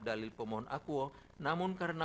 dalil pemohon akuo namun karena